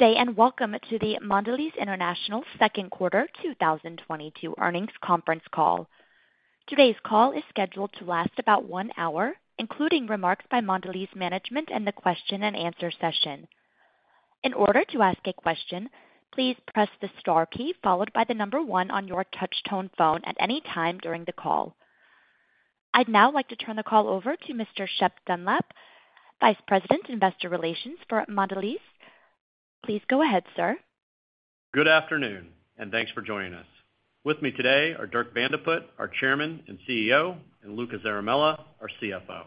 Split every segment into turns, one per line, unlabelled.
Good day, and welcome to the Mondelez International second quarter 2022 earnings conference call. Today's call is scheduled to last about one hour, including remarks by Mondelez management and the question and answer session. In order to ask a question, please press the star key followed by the number 1 on your touch tone phone at any time during the call. I'd now like to turn the call over to Mr. Shep Dunlap, Vice President, Investor Relations for Mondelez. Please go ahead, sir.
Good afternoon, and thanks for joining us. With me today are Dirk Van de Put, our Chairman and CEO, and Luca Zaramella, our CFO.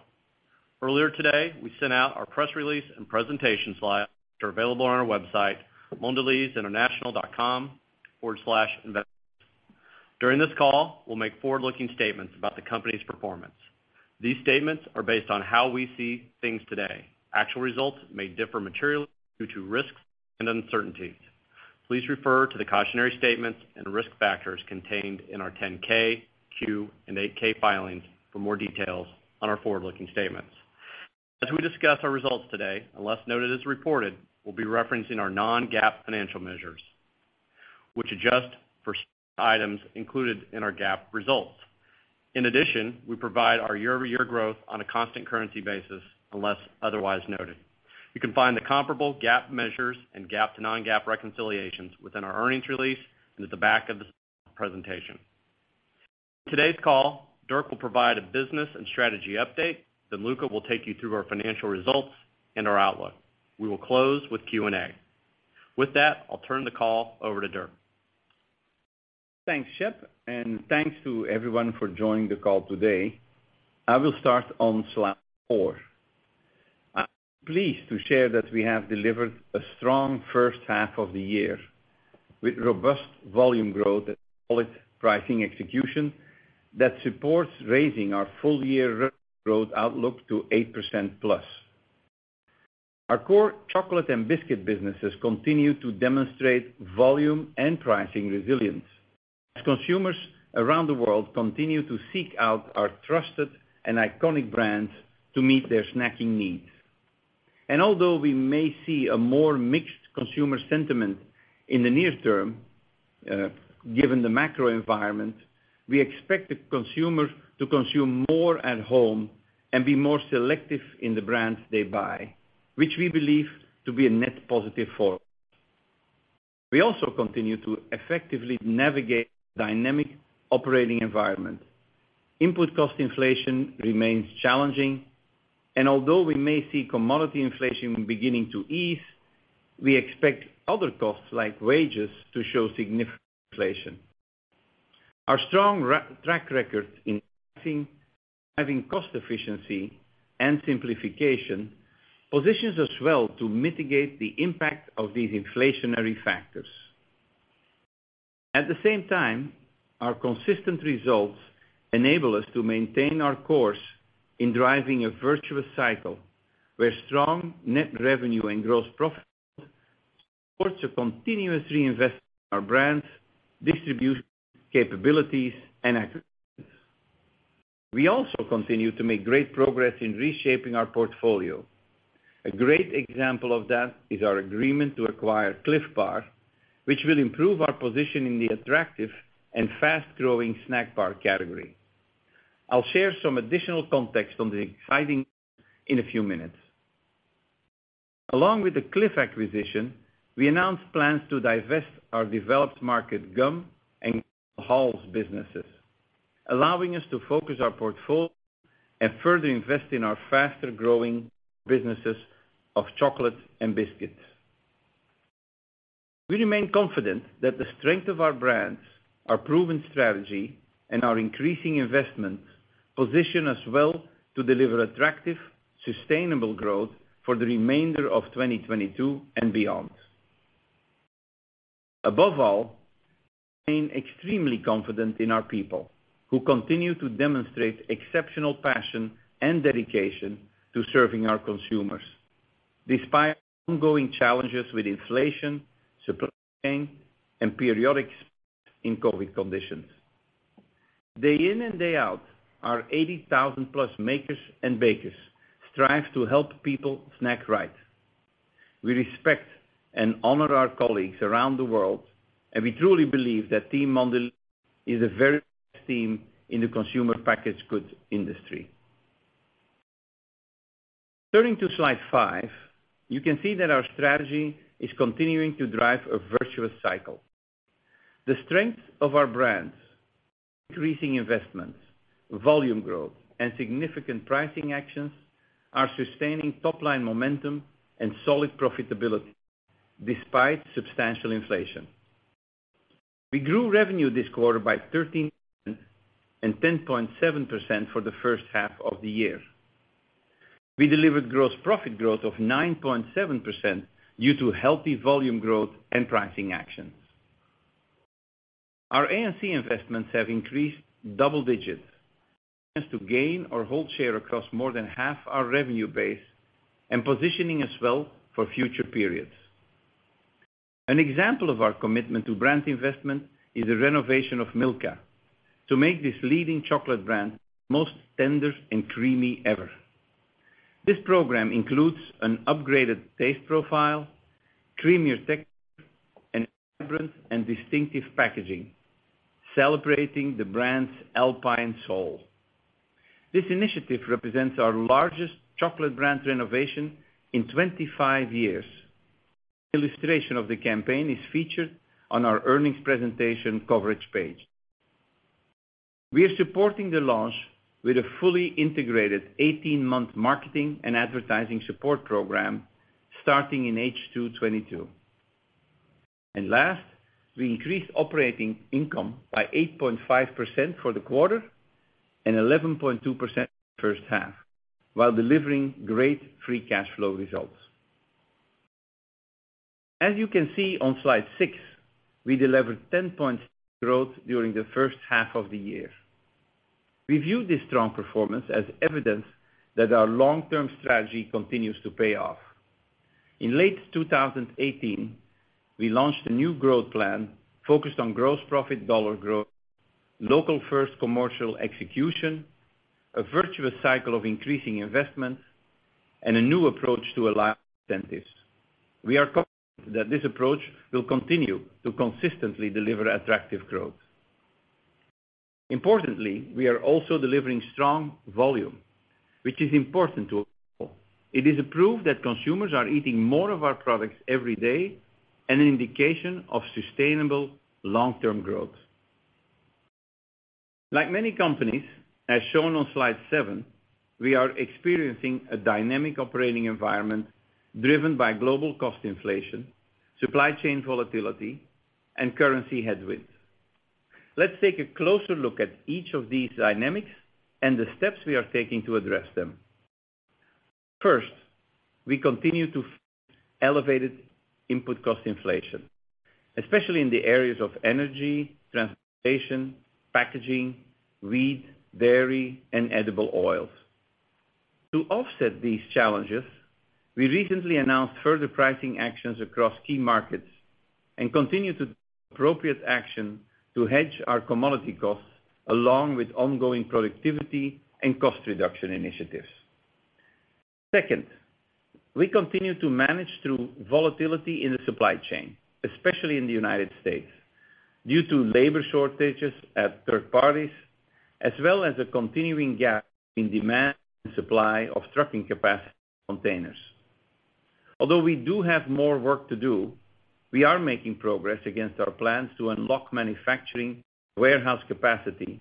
Earlier today, we sent out our press release and presentation slides are available on our website, mondelezinternational.com/investors. During this call, we'll make forward-looking statements about the company's performance. These statements are based on how we see things today. Actual results may differ materially due to risks and uncertainties. Please refer to the cautionary statements and risk factors contained in our 10-K, 10-Q, and 8-K filings for more details on our forward-looking statements. As we discuss our results today, unless noted as reported, we'll be referencing our non-GAAP financial measures, which adjust for items included in our GAAP results. In addition, we provide our year-over-year growth on a constant currency basis unless otherwise noted. You can find the comparable GAAP measures and GAAP to non-GAAP reconciliations within our earnings release and at the back of the presentation. In today's call, Dirk will provide a business and strategy update. Luca will take you through our financial results and our outlook. We will close with Q&A. With that, I'll turn the call over to Dirk.
Thanks, Shep, and thanks to everyone for joining the call today. I will start on slide four. I'm pleased to share that we have delivered a strong first half of the year with robust volume growth and solid pricing execution that supports raising our full-year growth outlook to 8%+. Our core chocolate and biscuit businesses continue to demonstrate volume and pricing resilience as consumers around the world continue to seek out our trusted and iconic brands to meet their snacking needs. Although we may see a more mixed consumer sentiment in the near term, given the macro environment, we expect the consumer to consume more at home and be more selective in the brands they buy, which we believe to be a net positive for us. We also continue to effectively navigate dynamic operating environment. Input cost inflation remains challenging, and although we may see commodity inflation beginning to ease, we expect other costs like wages to show significant inflation. Our strong track record in having cost efficiency and simplification positions us well to mitigate the impact of these inflationary factors. At the same time, our consistent results enable us to maintain our course in driving a virtuous cycle where strong net revenue and gross profit supports a continuous reinvestment in our brands, distribution capabilities, and acquisitions. We also continue to make great progress in reshaping our portfolio. A great example of that is our agreement to acquire Clif Bar, which will improve our position in the attractive and fast-growing snack bar category. I'll share some additional context on that exciting acquisition in a few minutes. Along with the Clif acquisition, we announced plans to divest our developed market gum and Halls businesses, allowing us to focus our portfolio and further invest in our faster-growing businesses of chocolate and biscuits. We remain confident that the strength of our brands, our proven strategy, and our increasing investments position us well to deliver attractive, sustainable growth for the remainder of 2022 and beyond. Above all, I'm extremely confident in our people who continue to demonstrate exceptional passion and dedication to serving our consumers, despite ongoing challenges with inflation, supply chain, and periodic in COVID conditions. Day in and day out, our 80,000+ makers and bakers strive to help people snack right. We respect and honor our colleagues around the world, and we truly believe that Team Mondelez is a very best team in the consumer packaged goods industry. Turning to slide five, you can see that our strategy is continuing to drive a virtuous cycle. The strength of our brands, increasing investments, volume growth, and significant pricing actions are sustaining top-line momentum and solid profitability despite substantial inflation. We grew revenue this quarter by 13%, and 10.7% for the first half of the year. We delivered gross profit growth of 9.7% due to healthy volume growth and pricing actions. Our A&C investments have increased double digits to gain or hold share across more than half our revenue base and positioning as well for future periods. An example of our commitment to brand investment is a renovation of Milka. To make this leading chocolate brand most tender and creamy ever. This program includes an upgraded taste profile, creamier texture, and vibrant and distinctive packaging, celebrating the brand's alpine soul. This initiative represents our largest chocolate brand renovation in 25 years. Illustration of the campaign is featured on our earnings presentation coverage page. We are supporting the launch with a fully integrated 18-month marketing and advertising support program starting in H2 2022. Last, we increased operating income by 8.5% for the quarter and 11.2% in the first half while delivering great free cash flow results. As you can see on slide six, we delivered 10 points growth during the first half of the year. We view this strong performance as evidence that our long-term strategy continues to pay off. In late 2018, we launched a new growth plan focused on gross profit dollar growth, local first commercial execution, a virtuous cycle of increasing investment, and a new approach to align incentives. We are confident that this approach will continue to consistently deliver attractive growth. Importantly, we are also delivering strong volume, which is important to us. It is a proof that consumers are eating more of our products every day and an indication of sustainable long-term growth. Like many companies, as shown on slide seven, we are experiencing a dynamic operating environment driven by global cost inflation, supply chain volatility, and currency headwinds. Let's take a closer look at each of these dynamics and the steps we are taking to address them. First, we continue to fight elevated input cost inflation, especially in the areas of energy, transportation, packaging, wheat, dairy, and edible oils. To offset these challenges, we recently announced further pricing actions across key markets and continue to take appropriate action to hedge our commodity costs along with ongoing productivity and cost reduction initiatives. Second, we continue to manage through volatility in the supply chain, especially in the United States, due to labor shortages at third parties, as well as a continuing gap in demand and supply of trucking capacity and containers. Although we do have more work to do, we are making progress against our plans to unlock manufacturing warehouse capacity,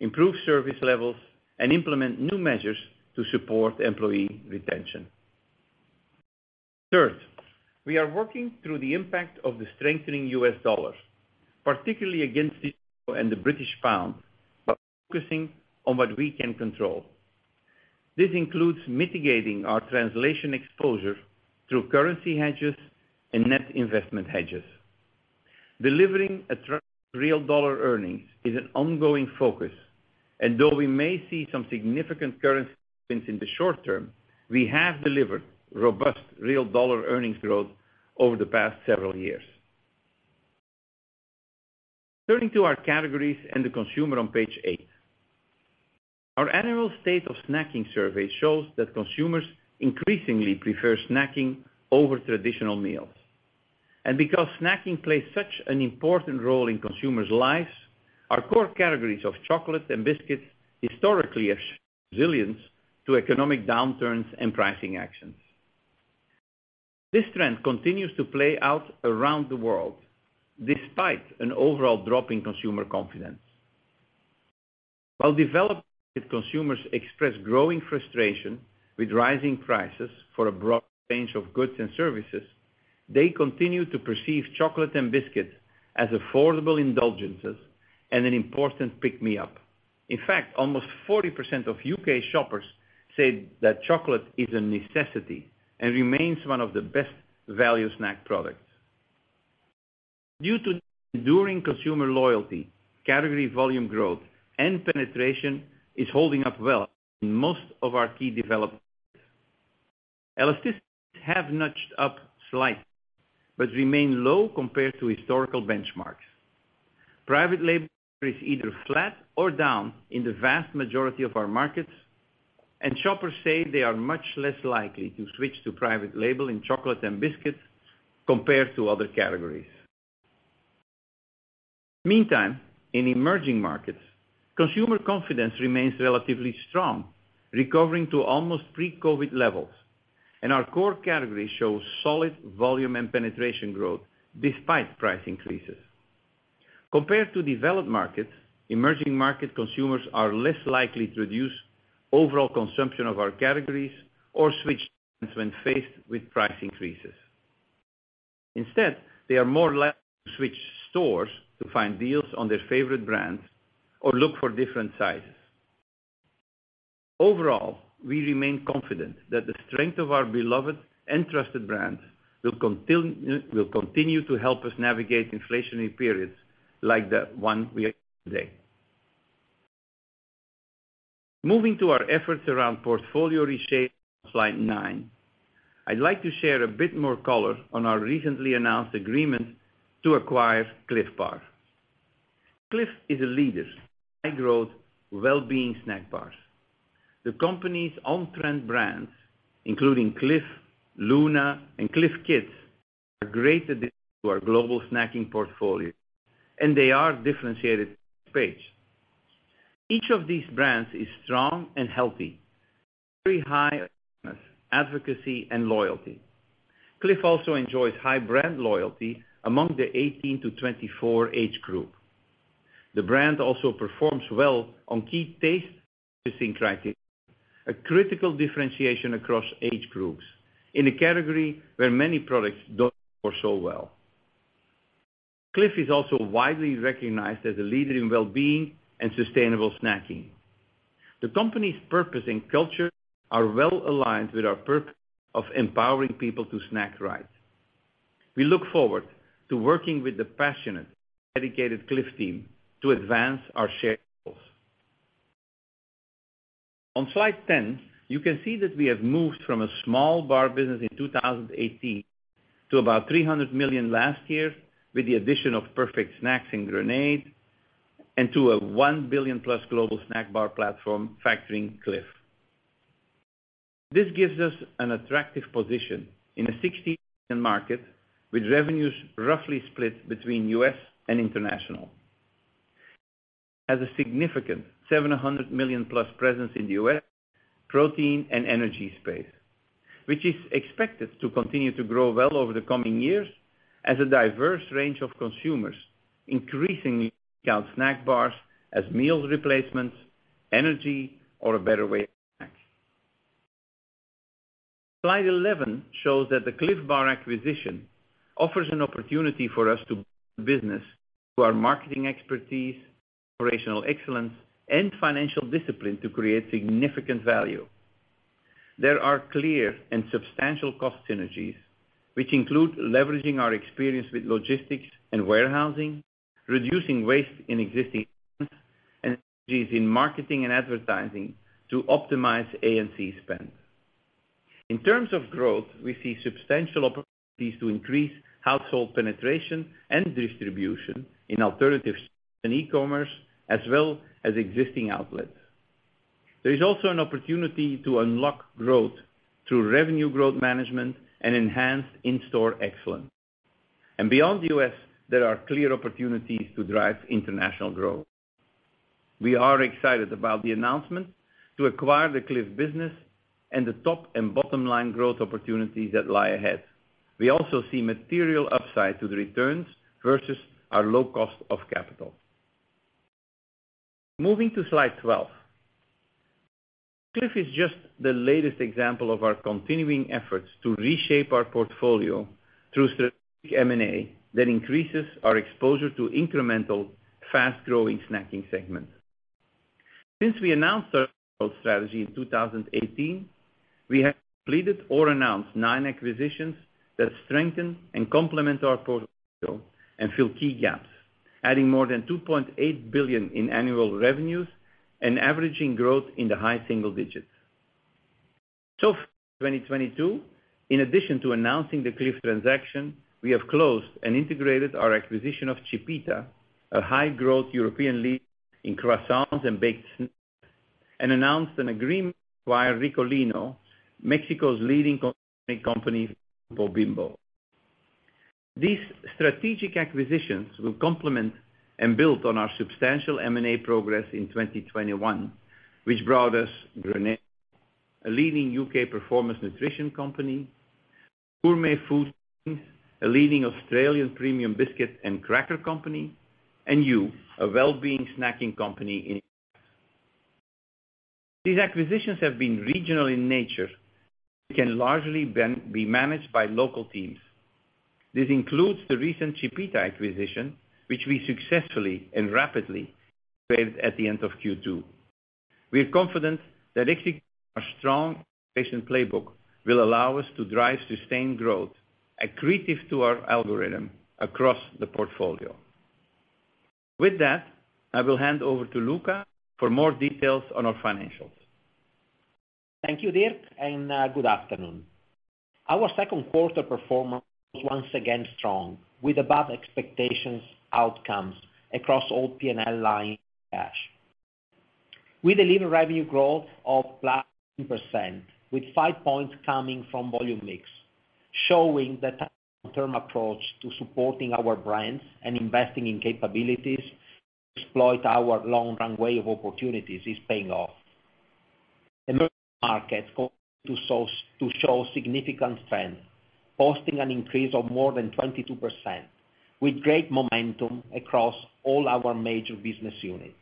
improve service levels, and implement new measures to support employee retention. Third, we are working through the impact of the strengthening U.S. dollar, particularly against the euro and the British pound, while focusing on what we can control. This includes mitigating our translation exposure through currency hedges and net investment hedges. Delivering attractive real dollar earnings is an ongoing focus, and though we may see some significant currency headwinds in the short term, we have delivered robust real dollar earnings growth over the past several years. Turning to our categories and the consumer on page eight. Our annual state of snacking survey shows that consumers increasingly prefer snacking over traditional meals. Because snacking plays such an important role in consumers' lives, our core categories of chocolate and biscuits historically have shown resilience to economic downturns and pricing actions. This trend continues to play out around the world despite an overall drop in consumer confidence. While developed market consumers express growing frustration with rising prices for a broad range of goods and services, they continue to perceive chocolate and biscuits as affordable indulgences and an important pick-me-up. In fact, almost 40% of U.K. shoppers said that chocolate is a necessity and remains one of the best value snack products. Due to enduring consumer loyalty, category volume growth and penetration is holding up well in most of our key developed markets. Elasticities have nudged up slightly, but remain low compared to historical benchmarks. Private label is either flat or down in the vast majority of our markets, and shoppers say they are much less likely to switch to private label in chocolate and biscuits compared to other categories. Meantime, in emerging markets, consumer confidence remains relatively strong, recovering to almost pre-COVID levels. Our core categories show solid volume and penetration growth despite price increases. Compared to developed markets, emerging market consumers are less likely to reduce overall consumption of our categories or switch brands when faced with price increases. Instead, they are more likely to switch stores to find deals on their favorite brands or look for different sizes. Overall, we remain confident that the strength of our beloved and trusted brands will continue to help us navigate inflationary periods like the one we are in today. Moving to our efforts around portfolio reshape on slide nine. I'd like to share a bit more color on our recently announced agreement to acquire Clif Bar. Clif is a leader in high-growth, well-being snack bars. The company's on-trend brands, including Clif, LUNA, and Clif Kid, are great addition to our global snacking portfolio, and they are differentiated play. Each of these brands is strong and healthy, with very high awareness, advocacy, and loyalty. Clif also enjoys high brand loyalty among the 18-24 age group. The brand also performs well on key taste purchasing criteria, a critical differentiation across age groups in a category where many products don't score so well. Clif is also widely recognized as a leader in well-being and sustainable snacking. The company's purpose and culture are well-aligned with our purpose of empowering people to snack right. We look forward to working with the passionate, dedicated Clif team to advance our shared goals. On slide 10, you can see that we have moved from a small bar business in 2018 to about $300 million last year with the addition of Perfect Snacks and Grenade, and to a $1 billion+ global snack bar platform factoring Clif. This gives us an attractive position in a $16 billion market with revenues roughly split between U.S. and International. As a significant $700 million-plus presence in the U.S. protein and energy space, which is expected to continue to grow well over the coming years as a diverse range of consumers increasingly count snack bars as meal replacements, energy, or a better way to snack. Slide 11 shows that the Clif Bar acquisition offers an opportunity for us to bring this to our marketing expertise, operational excellence, and financial discipline to create significant value. There are clear and substantial cost synergies, which include leveraging our experience with logistics and warehousing, reducing waste and synergies in marketing and advertising to optimize A&C spend. In terms of growth, we see substantial opportunities to increase household penetration and distribution in alternative and e-commerce, as well as existing outlets. There is also an opportunity to unlock growth through revenue growth management and enhanced in-store excellence. Beyond the U.S., there are clear opportunities to drive international growth. We are excited about the announcement to acquire the Clif business and the top and bottom line growth opportunities that lie ahead. We also see material upside to the returns versus our low cost of capital. Moving to slide 12. Clif is just the latest example of our continuing efforts to reshape our portfolio through strategic M&A that increases our exposure to incremental, fast-growing snacking segments. Since we announced our strategy in 2018, we have completed or announced nine acquisitions that strengthen and complement our portfolio and fill key gaps, adding more than $2.8 billion in annual revenues and averaging growth in the high single digits. So far in 2022, in addition to announcing the Clif transaction, we have closed and integrated our acquisition of Chipita, a high-growth European leader in croissants and baked snacks, and announced an agreement to acquire Ricolino, Mexico's leading confectionery company from Grupo Bimbo. These strategic acquisitions will complement and build on our substantial M&A progress in 2021, which brought us Grenade, a leading UK performance nutrition company, Gourmet Food Holdings, a leading Australian premium biscuit and cracker company, and Hu, a well-being snacking company in. These acquisitions have been regional in nature, and can largely be managed by local teams. This includes the recent Chipita acquisition, which we successfully and rapidly completed at the end of Q2. We are confident that executing our strong acquisition playbook will allow us to drive sustained growth accretive to our algorithm across the portfolio. With that, I will hand over to Luca for more details on our financials.
Thank you, Dirk, and good afternoon. Our second quarter performance was once again strong with above expectations outcomes across all P&L line cash. We delivered revenue growth of plus percent, with 5 points coming from volume mix, showing that our long-term approach to supporting our brands and investing in capabilities to exploit our long runway of opportunities is paying off. Emerging markets continued to show significant strength, posting an increase of more than 22%, with great momentum across all our major business units.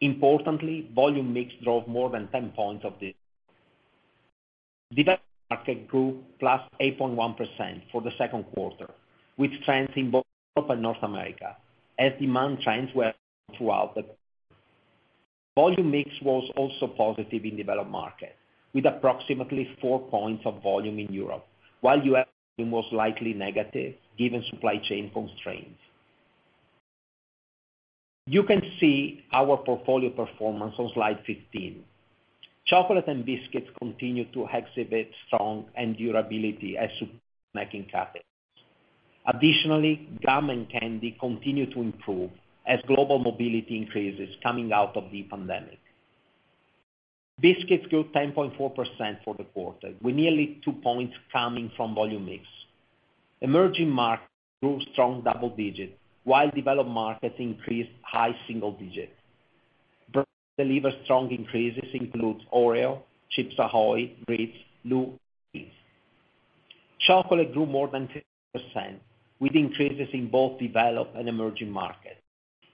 Importantly, volume mix drove more than 10 points of this. Developed markets grew +8.1% for the second quarter, with trends in both Europe and North America as demand trends were strong throughout the. Volume mix was also positive in developed markets, with approximately 4 points of volume in Europe, while U.S. volume was likely negative given supply chain constraints. You can see our portfolio performance on slide 15. Chocolate and biscuits continue to exhibit strong durability as category leaders. Additionally, gum and candy continue to improve as global mobility increases coming out of the pandemic. Biscuits grew 10.4% for the quarter, with nearly 2 points coming from volume mix. Emerging markets grew strong double digits, while developed markets increased high single digits. Brands that delivered strong increases includes Oreo, Chips Ahoy, Ritz, LU, and belVita. Chocolate grew more than 10%, with increases in both developed and emerging markets,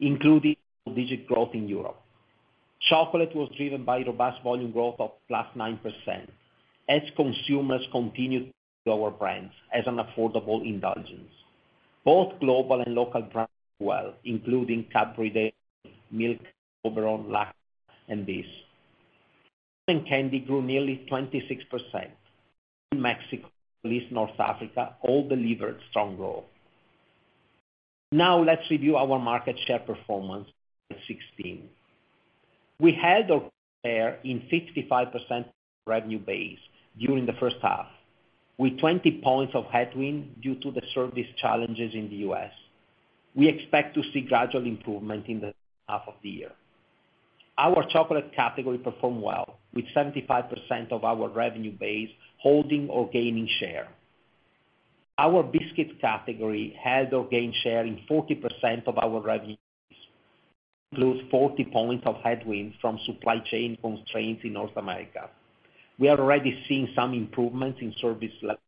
including double digit growth in Europe. Chocolate was driven by robust volume growth of +9%, as consumers continued to choose our brands as an affordable indulgence. Both global and local brands grew well, including Cadbury Dairy Milk, Toblerone, Lacta, and Bis. Gum and candy grew nearly 26%. Brazil, Mexico, Middle East, North Africa all delivered strong growth. Now let's review our market share performance on slide 16. We held or gained share in 55% of our revenue base during the first half, with 20 points of headwind due to the service challenges in the U.S. We expect to see gradual improvement in the second half of the year. Our chocolate category performed well, with 75% of our revenue base holding or gaining share. Our biscuit category held or gained share in 40% of our revenue base, despite 40 points of headwind from supply chain constraints in North America. We are already seeing some improvements in service levels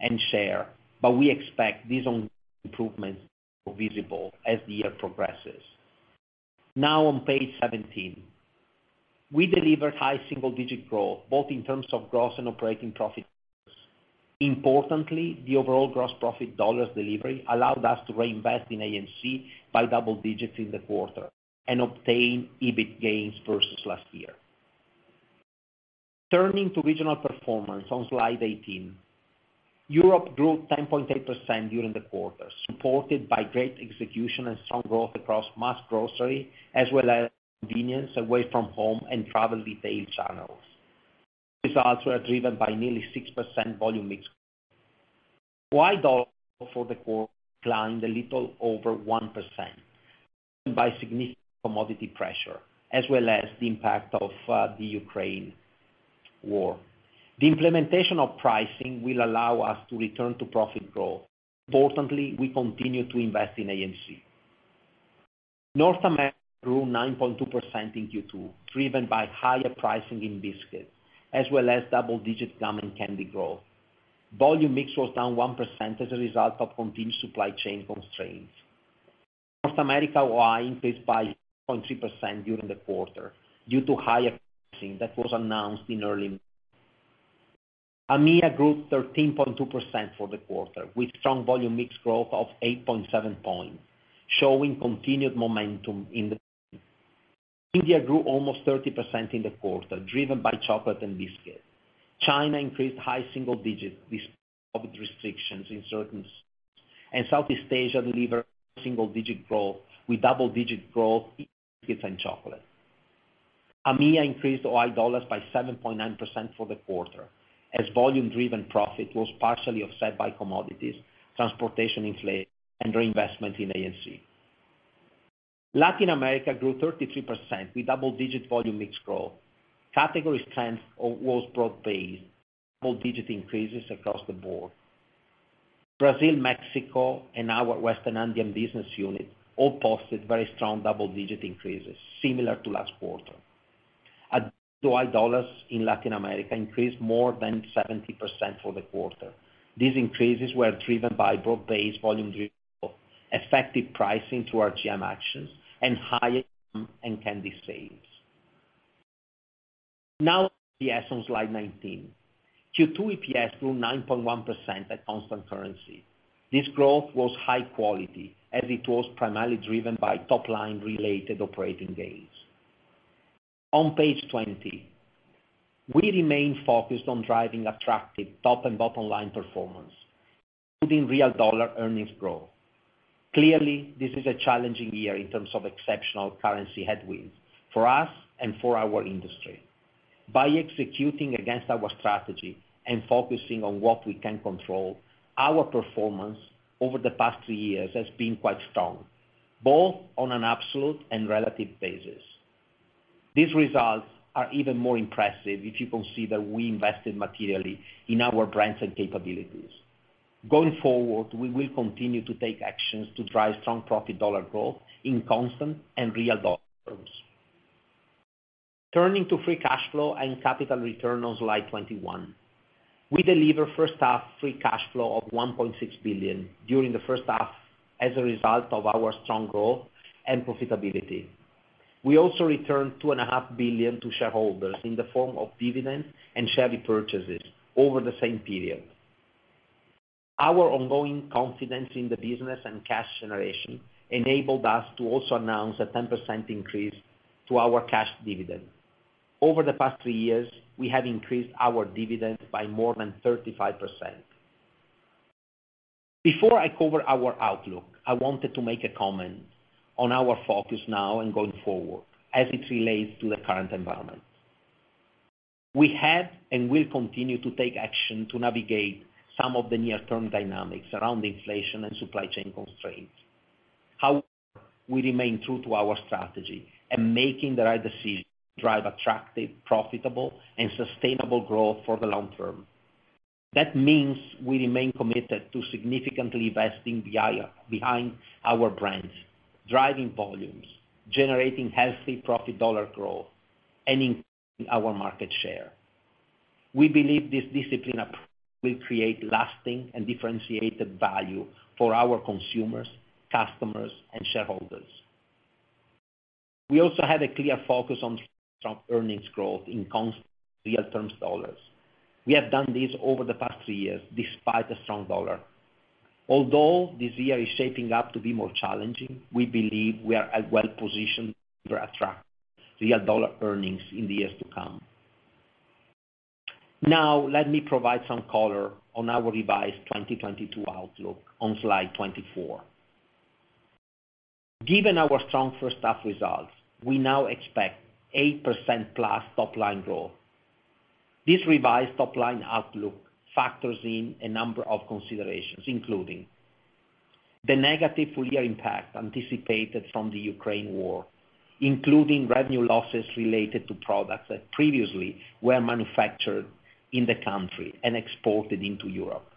and share, but we expect these ongoing improvements to become more visible as the year progresses. Now on page 17. We delivered high single-digit growth, both in terms of gross and operating profit dollars. Importantly, the overall gross profit dollars delivery allowed us to reinvest in A&C by double digits in the quarter and obtain EBIT gains versus last year. Turning to regional performance on slide 18. Europe grew 10.8% during the quarter, supported by great execution and strong growth across mass grocery as well as convenience, away from home and travel retail channels. Results were driven by nearly 6% volume mix growth. While dollar for the quarter declined a little over 1%, driven by significant commodity pressure as well as the impact of the Ukraine war. The implementation of pricing will allow us to return to profit growth. Importantly, we continue to invest in A&C. North America grew 9.2% in Q2, driven by higher pricing in biscuits as well as double-digit gum and candy growth. Volume mix was down 1% as a result of continued supply chain constraints. North America OI increased by 8.3% during the quarter due to higher pricing that was announced in early March. EMEA grew 13.2% for the quarter, with strong volume mix growth of 8.7 points, showing continued momentum in the. India grew almost 30% in the quarter, driven by chocolate and biscuits. China increased high single digits despite COVID restrictions in certain cities, and Southeast Asia delivered low single-digit growth with double-digit growth in biscuits and chocolate. EMEA increased OI dollars by 7.9% for the quarter as volume driven profit was partially offset by commodities, transportation inflation, and reinvestment in A&C. Latin America grew 33% with double-digit volume mix growth. Category strength was broad-based with double-digit increases across the board. Brazil, Mexico, and our Western Andean business unit all posted very strong double-digit increases similar to last quarter. Adjusted OI dollars in Latin America increased more than 70% for the quarter. These increases were driven by broad-based volume driven growth, effective pricing through our GM actions, and higher gum and candy sales. Now on to EPS on slide 19. Q2 EPS grew 9.1% at constant currency. This growth was high quality as it was primarily driven by top-line related operating gains. On page 20, we remain focused on driving attractive top and bottom line performance, including real dollar earnings growth. Clearly, this is a challenging year in terms of exceptional currency headwinds for us and for our industry. By executing against our strategy and focusing on what we can control, our performance over the past three years has been quite strong, both on an absolute and relative basis. These results are even more impressive if you consider we invested materially in our brands and capabilities. Going forward, we will continue to take actions to drive strong profit dollar growth in constant and real dollar terms. Turning to free cash flow and capital return on slide 21. We delivered first half free cash flow of $1.6 billion during the first half as a result of our strong growth and profitability. We also returned $2.5 billion to shareholders in the form of dividends and share repurchases over the same period. Our ongoing confidence in the business and cash generation enabled us to also announce a 10% increase to our cash dividend. Over the past three years, we have increased our dividend by more than 35%. Before I cover our outlook, I wanted to make a comment on our focus now and going forward as it relates to the current environment. We have and will continue to take action to navigate some of the near-term dynamics around inflation and supply chain constraints. However, we remain true to our strategy and making the right decisions to drive attractive, profitable, and sustainable growth for the long term. That means we remain committed to significantly investing behind our brands, driving volumes, generating healthy profit dollar growth, and increasing our market share. We believe this discipline approach will create lasting and differentiated value for our consumers, customers, and shareholders. We also have a clear focus on strong earnings growth in constant real terms dollars. We have done this over the past three years despite the strong dollar. Although this year is shaping up to be more challenging, we believe we are well positioned to attract real dollar earnings in the years to come. Now let me provide some color on our revised 2022 outlook on slide 24. Given our strong first half results, we now expect 8%+ top line growth. This revised top line outlook factors in a number of considerations, including the negative full year impact anticipated from the Ukraine war, including revenue losses related to products that previously were manufactured in the country and exported into Europe.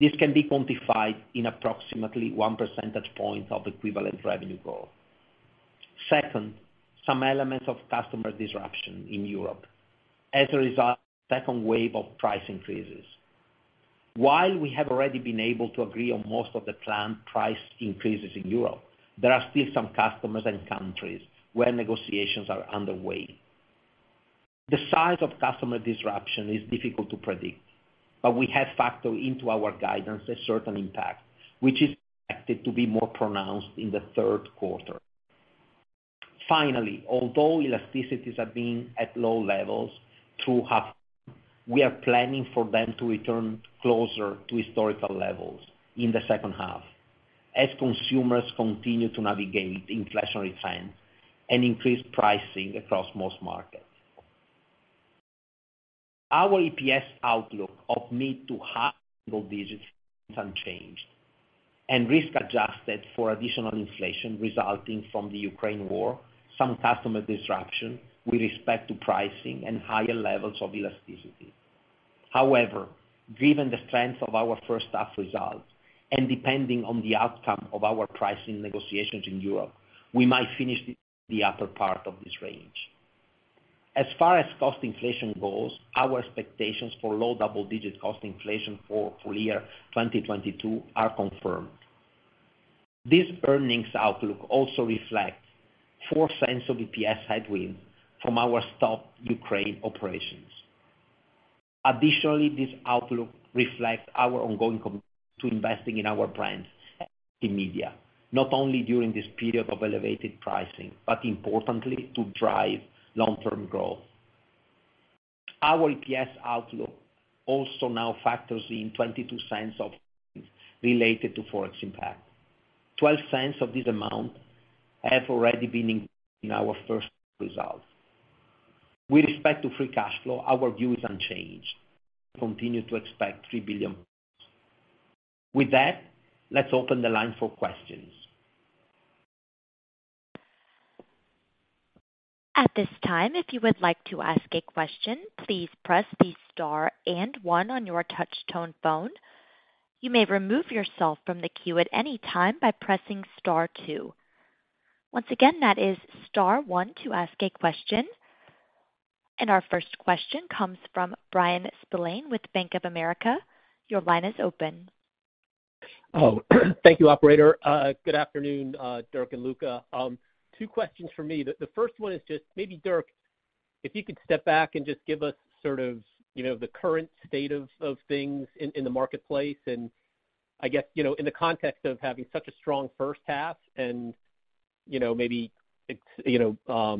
This can be quantified in approximately one percentage point of equivalent revenue growth. Second, some elements of customer disruption in Europe as a result of the second wave of price increases. While we have already been able to agree on most of the planned price increases in Europe, there are still some customers and countries where negotiations are underway. The size of customer disruption is difficult to predict, but we have factored into our guidance a certain impact, which is expected to be more pronounced in the third quarter. Finally, although elasticities have been at low levels through half, we are planning for them to return closer to historical levels in the second half as consumers continue to navigate inflationary trends and increased pricing across most markets. Our EPS outlook of mid-to-high single digits is unchanged and risk adjusted for additional inflation resulting from the Ukraine war, some customer disruption with respect to pricing and higher levels of elasticity. However, given the strength of our first half results, and depending on the outcome of our pricing negotiations in Europe, we might finish the upper part of this range. As far as cost inflation goes, our expectations for low double-digit cost inflation for full year 2022 are confirmed. This earnings outlook also reflects $0.04 of EPS headwind from our stopped Ukraine operations. Additionally, this outlook reflects our ongoing commitment to investing in our brands and media, not only during this period of elevated pricing, but importantly, to drive long-term growth. Our EPS outlook also now factors in $0.22 of gains related to Forex impact. $0.12 of this amount have already been included in our first results. With respect to free cash flow, our view is unchanged. We continue to expect $3 billion+. With that, let's open the line for questions.
At this time, if you would like to ask a question, please press the star and one on your touch tone phone. You may remove yourself from the queue at any time by pressing star two. Once again, that is star one to ask a question. Our first question comes from Bryan Spillane with Bank of America. Your line is open.
Oh, thank you, operator. Good afternoon, Dirk and Luca. Two questions from me. The first one is just maybe, Dirk, if you could step back and just give us sort of, you know, the current state of things in the marketplace and I guess, you know, in the context of having such a strong first half and, you know, maybe it's, you know,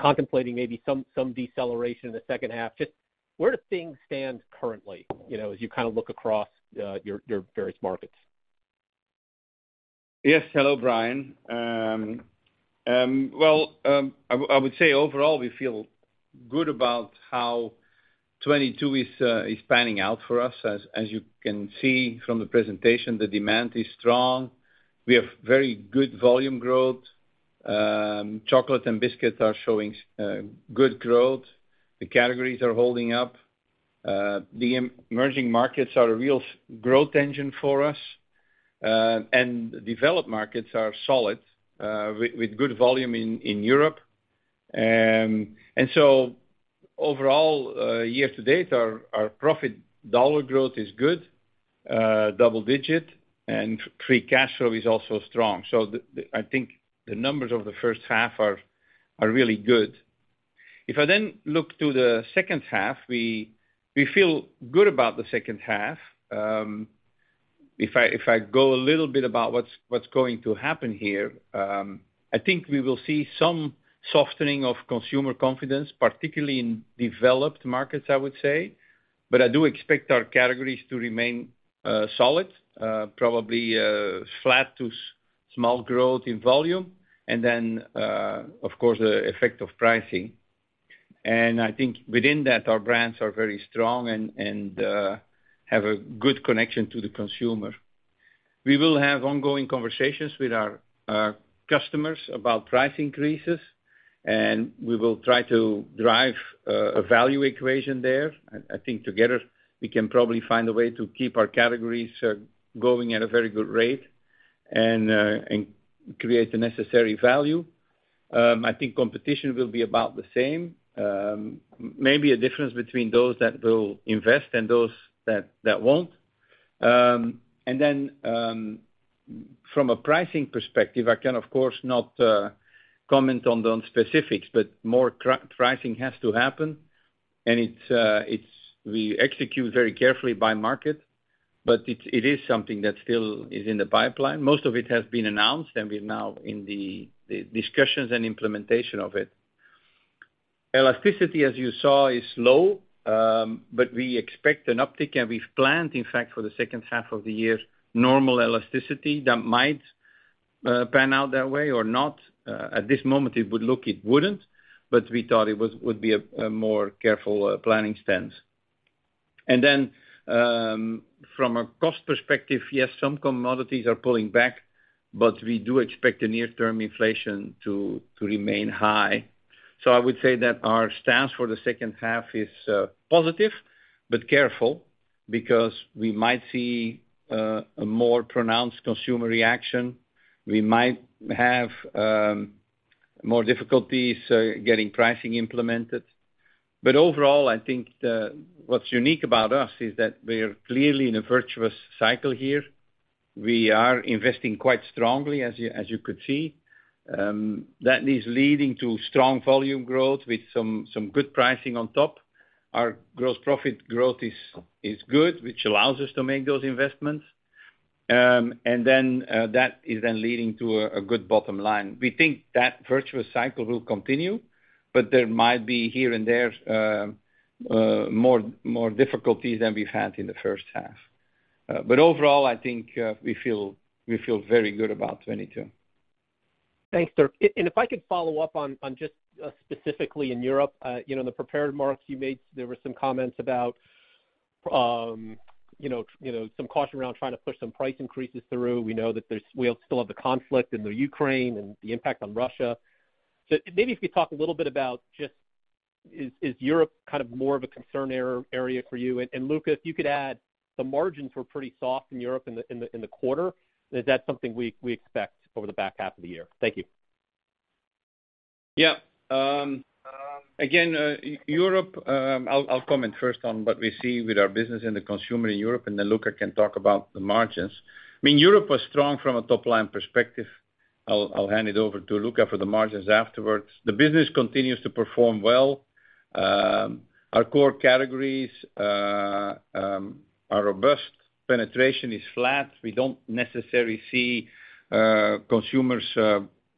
contemplating maybe some deceleration in the second half, just where do things stand currently, you know, as you kind of look across your various markets?
Yes. Hello, Bryan. Well, I would say overall, we feel good about how 2022 is panning out for us. As you can see from the presentation, the demand is strong. We have very good volume growth. Chocolate and biscuits are showing good growth. The categories are holding up. Emerging markets are a real growth engine for us. Developed markets are solid with good volume in Europe. Overall, year-to-date, our profit dollar growth is good, double digit, and free cash flow is also strong. I think the numbers of the first half are really good. If I look to the second half, we feel good about the second half. If I go a little bit about what's going to happen here, I think we will see some softening of consumer confidence, particularly in developed markets, I would say. I do expect our categories to remain solid, probably flat to small growth in volume. Of course, the effect of pricing. I think within that, our brands are very strong and have a good connection to the consumer. We will have ongoing conversations with our customers about price increases, and we will try to drive a value equation there. I think together, we can probably find a way to keep our categories going at a very good rate and create the necessary value. I think competition will be about the same. Maybe a difference between those that will invest and those that won't. From a pricing perspective, I can, of course, not comment on the specifics, but more pricing has to happen. We execute very carefully by market, but it is something that still is in the pipeline. Most of it has been announced, and we're now in the discussions and implementation of it. Elasticity, as you saw, is low, but we expect an uptick, and we've planned, in fact, for the second half of the year, normal elasticity that might pan out that way or not. At this moment, it would look like it wouldn't, but we thought it would be a more careful planning stance. From a cost perspective, yes, some commodities are pulling back, but we do expect the near-term inflation to remain high. I would say that our stance for the second half is positive, but careful because we might see a more pronounced consumer reaction. We might have more difficulties getting pricing implemented. Overall, I think what's unique about us is that we are clearly in a virtuous cycle here. We are investing quite strongly, as you could see. That is leading to strong volume growth with some good pricing on top. Our gross profit growth is good, which allows us to make those investments. That is then leading to a good bottom line. We think that virtuous cycle will continue, but there might be here and there, more difficulty than we've had in the first half. Overall, I think we feel very good about 2022.
Thanks, Dirk. If I could follow up on just specifically in Europe, in the prepared remarks you made, there were some comments about some caution around trying to push some price increases through. We know that there's we still have the conflict in the Ukraine and the impact on Russia. Maybe if you could talk a little bit about just is Europe kind of more of a concern area for you? Luca, if you could add, the margins were pretty soft in Europe in the quarter. Is that something we expect over the back half of the year? Thank you.
Yeah. Again, Europe, I'll comment first on what we see with our business in the consumer in Europe, and then Luca can talk about the margins. I mean, Europe was strong from a top-line perspective. I'll hand it over to Luca for the margins afterwards. The business continues to perform well. Our core categories are robust. Penetration is flat. We don't necessarily see consumers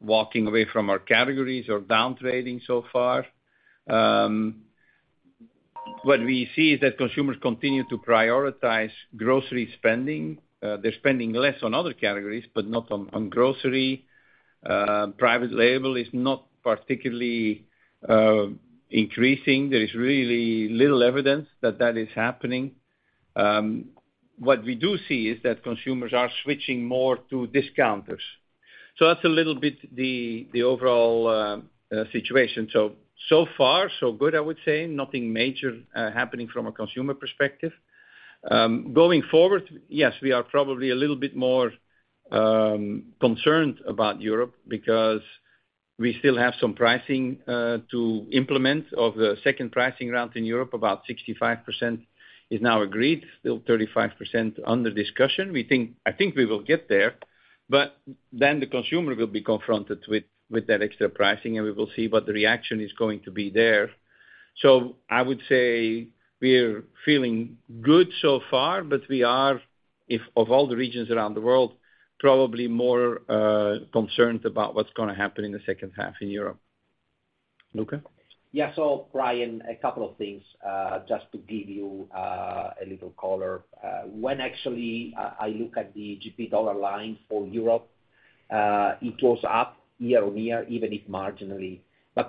walking away from our categories or down-trading so far. What we see is that consumers continue to prioritize grocery spending. They're spending less on other categories, but not on grocery. Private label is not particularly increasing. There is really little evidence that is happening. What we do see is that consumers are switching more to discounters. That's a little bit the overall situation. So far so good, I would say. Nothing major happening from a consumer perspective. Going forward, yes, we are probably a little bit more concerned about Europe because we still have some pricing to implement of the second pricing round in Europe. About 65% is now agreed, still 35% under discussion. I think we will get there, but then the consumer will be confronted with that extra pricing, and we will see what the reaction is going to be there. I would say we're feeling good so far, but we are, out of all the regions around the world, probably more concerned about what's gonna happen in the second half in Europe. Luca?
Yeah. Bryan Spillane, a couple of things, just to give you a little color. When actually I look at the GP dollar line for Europe, it was up year-over-year, even if marginally.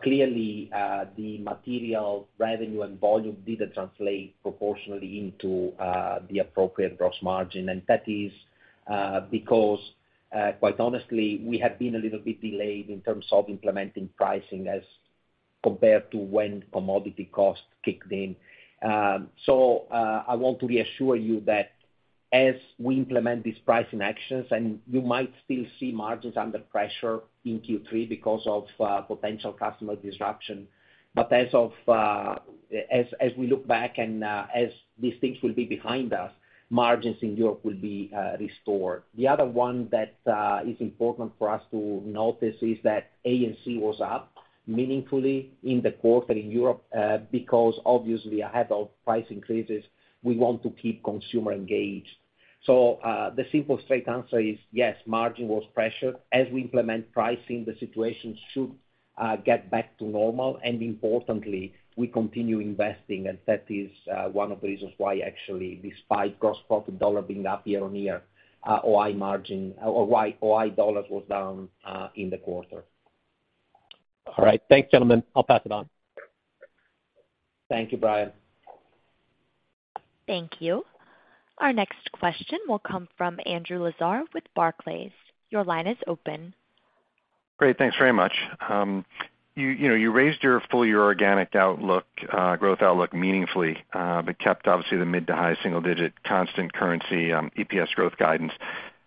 Clearly, the material revenue and volume didn't translate proportionally into the appropriate gross margin. That is because, quite honestly, we have been a little bit delayed in terms of implementing pricing as compared to when commodity costs kicked in. I want to reassure you that as we implement these pricing actions, and you might still see margins under pressure in Q3 because of potential customer disruption. As we look back and as these things will be behind us, margins in Europe will be restored. The other one that is important for us to notice is that A&C was up meaningfully in the quarter in Europe, because obviously ahead of price increases, we want to keep consumer engaged. The simple straight answer is yes, margin was pressured. As we implement pricing, the situation should get back to normal and importantly, we continue investing and that is one of the reasons why actually despite gross profit dollar being up year-over-year, OI margin or why OI dollars was down in the quarter.
All right, thanks gentlemen. I'll pass it on.
Thank you, Bryan.
Thank you. Our next question will come from Andrew Lazar with Barclays. Your line is open.
Great. Thanks very much. You know, you raised your full year organic outlook, growth outlook meaningfully, but kept obviously the mid- to high-single-digit constant currency EPS growth guidance.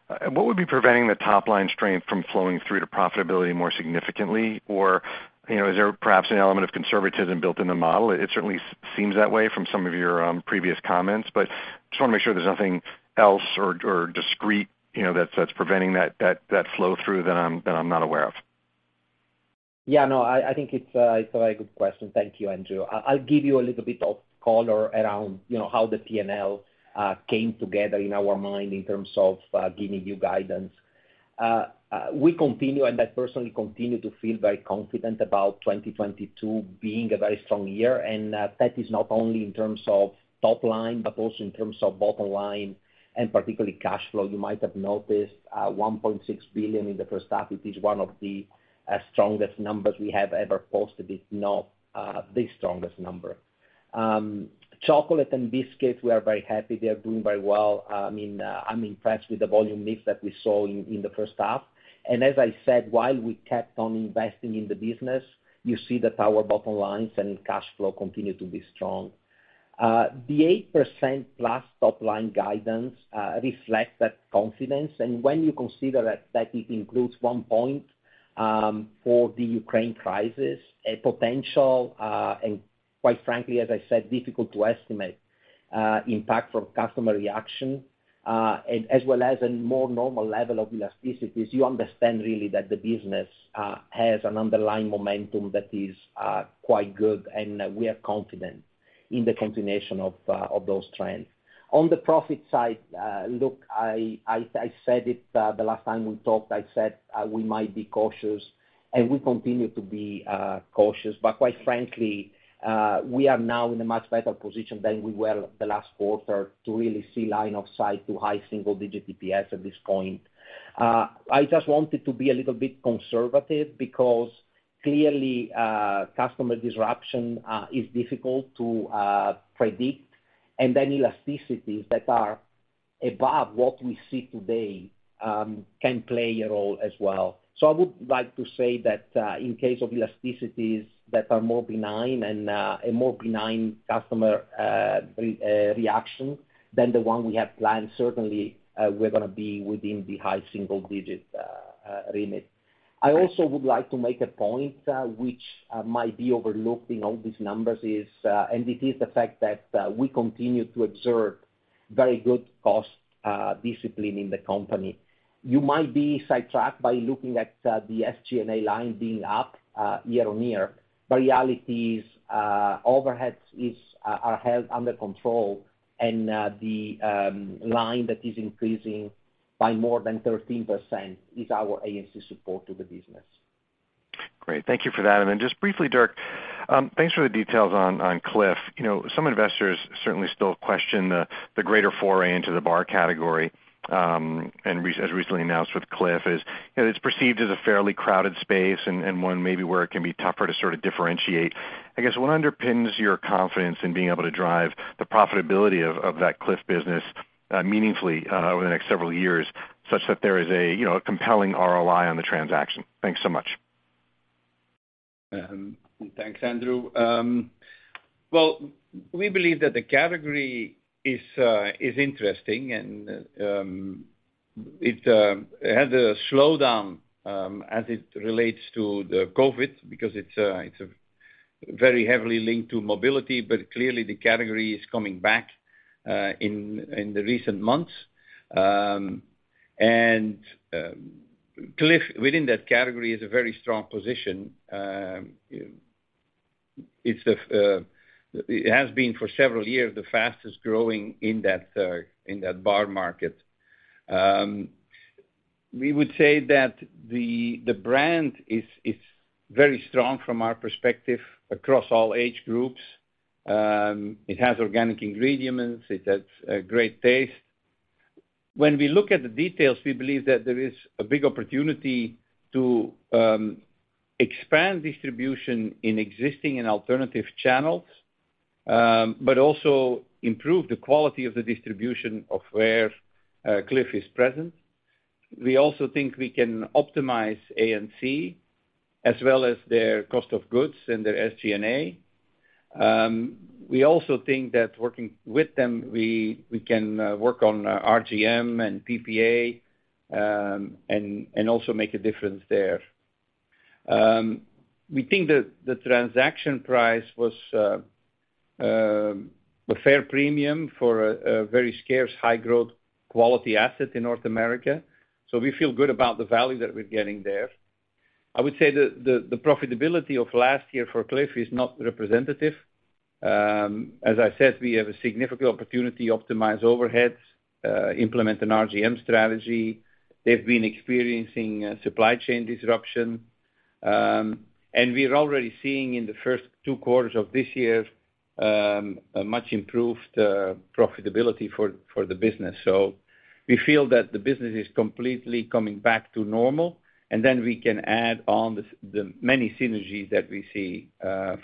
What would be preventing the top line strength from flowing through to profitability more significantly? Or, you know, is there perhaps an element of conservatism built in the model? It certainly seems that way from some of your previous comments, but just wanna make sure there's nothing else or discrete, you know, that's preventing that flow through that I'm not aware of.
Yeah, no, I think it's a very good question. Thank you, Andrew. I'll give you a little bit of color around, you know, how the P&L came together in our mind in terms of giving you guidance. We continue, and I personally continue to feel very confident about 2022 being a very strong year, and that is not only in terms of top line, but also in terms of bottom line and particularly cash flow. You might have noticed $1.6 billion in the first half. It is one of the strongest numbers we have ever posted. It's now the strongest number. Chocolate and biscuits, we are very happy. They are doing very well. I mean, I'm impressed with the volume lift that we saw in the first half. As I said, while we kept on investing in the business, you see that our bottom lines and cash flow continue to be strong. The 8%+ top line guidance reflects that confidence. When you consider that it includes 1 point for the Ukraine crisis, a potential and quite frankly, as I said, difficult to estimate impact from customer reaction and as well as a more normal level of elasticities, you understand really that the business has an underlying momentum that is quite good, and we are confident in the continuation of those trends. On the profit side, look, I said it the last time we talked. I said we might be cautious, and we continue to be cautious. quite frankly, we are now in a much better position than we were the last quarter to really see line of sight to high single digit EPS at this point. I just wanted to be a little bit conservative because clearly, customer disruption is difficult to predict, and any elasticities that are above what we see today can play a role as well. I would like to say that, in case of elasticities that are more benign and a more benign customer reaction than the one we have planned, certainly, we're gonna be within the high single digit remit. I also would like to make a point which might be overlooked in all these numbers, and it is the fact that we continue to observe very good cost discipline in the company. You might be sidetracked by looking at the SG&A line being up year-on-year. The reality is, overheads are held under control and the line that is increasing by more than 13% is our A&C support to the business.
Great. Thank you for that. Then just briefly, Dirk, thanks for the details on Clif. You know, some investors certainly still question the greater foray into the bar category, and as recently announced with Clif, you know, it's perceived as a fairly crowded space and one maybe where it can be tougher to sort of differentiate. I guess, what underpins your confidence in being able to drive the profitability of that Clif business meaningfully over the next several years, such that there is a you know, a compelling ROI on the transaction? Thanks so much.
Thanks, Andrew. Well, we believe that the category is interesting and it had a slowdown as it relates to the COVID because it's very heavily linked to mobility, but clearly the category is coming back in the recent months. Clif within that category is in a very strong position. It has been for several years the fastest growing in that bar market. We would say that the brand is very strong from our perspective across all age groups. It has organic ingredients. It has great taste. When we look at the details, we believe that there is a big opportunity to expand distribution in existing and alternative channels, but also improve the quality of the distribution of where Clif is present. We also think we can optimize A&C as well as their cost of goods and their SG&A. We also think that working with them, we can work on RGM and PPA, and also make a difference there. We think that the transaction price was a fair premium for a very scarce high growth quality asset in North America. We feel good about the value that we're getting there. I would say the profitability of last year for Clif is not representative. As I said, we have a significant opportunity optimize overheads, implement an RGM strategy. They've been experiencing supply chain disruption. We are already seeing in the first two quarters of this year a much improved profitability for the business. We feel that the business is completely coming back to normal, and then we can add on the many synergies that we see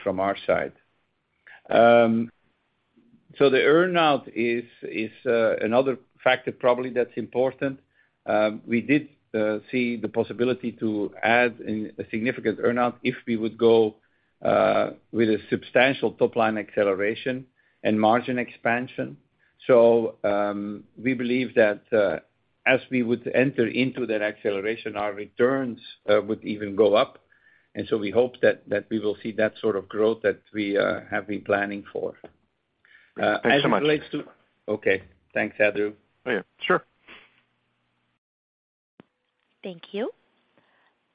from our side. The earn-out is another factor probably that's important. We did see the possibility to add in a significant earn-out if we would go with a substantial top line acceleration and margin expansion. We believe that as we would enter into that acceleration, our returns would even go up. We hope that we will see that sort of growth that we have been planning for. As it relates to-
Thanks so much.
Okay. Thanks, Andrew.
Oh, yeah. Sure.
Thank you.